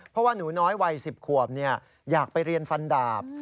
เพราะว่าหนูน้อยวัย๑๐ขวบอยากไปเรียนฟันดาบ